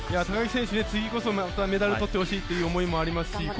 高木選手、次こそメダル取ってほしいという思いもありますし